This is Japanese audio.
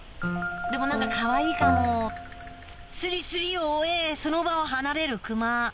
でも何かかわいいかもスリスリを終えその場を離れるクマ